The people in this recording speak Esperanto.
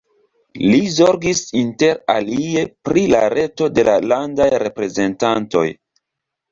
Li zorgis interalie pri la reto de la Landaj Reprezentantoj.